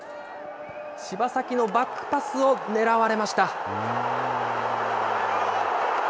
柴崎のバックパスを狙われました。